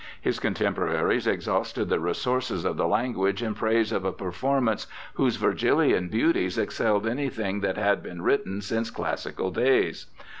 His contemporaries ex hausted the resources of the language in praise of a performance whose Virgilian beauties excelled any thing that had been written since classical days.